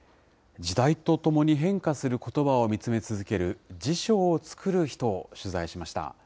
時代とともに変化することばを見つめ続ける辞書を作る人を取材しました。